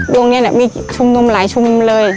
โรงเรียนมีชุมนมหลายชุมเลย